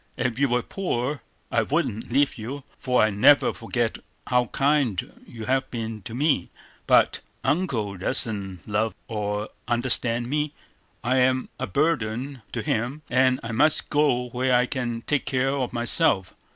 If you were poor, I wouldn't leave you; for I never forget how kind you have been to me. But Uncle doesn't love or understand me; I am a burden to him, and I must go where I can take care of myself.